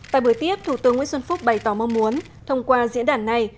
tại buổi tiếp thủ tướng nguyễn xuân phúc bày tỏ mong muốn thông qua diễn đàn này